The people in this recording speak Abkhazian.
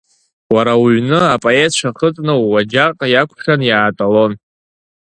Уара уҩны апоетцәа хыҵны ууаџьаҟ иакәшан иаатәалон.